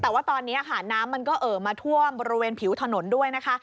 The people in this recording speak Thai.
แต่ว่าตอนนี้ค่ะน้ำมันก็เอ่อมาท่วมบริเวณผิวถนนด้วยนะคะ